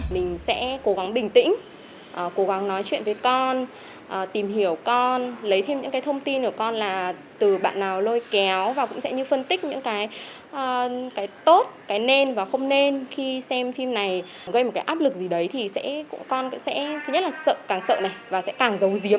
mình sẽ cố gắng bình tĩnh cố gắng nói chuyện với con tìm hiểu con lấy thêm những thông tin của con là từ bạn nào lôi kéo và cũng sẽ như phân tích những cái tốt cái nên và không nên khi xem phim này gây một cái áp lực gì đấy thì con sẽ càng sợ này và càng giấu giếm